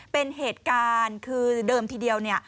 เป็นเหตุการณ์คือเดิมทีเดียวเนี่ย